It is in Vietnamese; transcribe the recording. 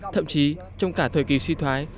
thậm chí trong cả thời kỳ suy thoái